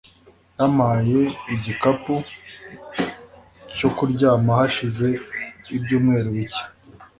yampaye igikapu cyo kuryama hashize ibyumweru bike.